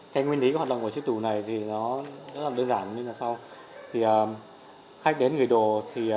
cái nguyên lý hoạt động của chiếc tủ này thì nó rất là đơn giản như là sau khách đến gửi đồ thì